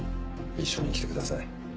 一緒に来てください。